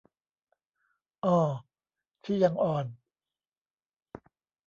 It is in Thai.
อ้อ ที่ "ยังอ่อน"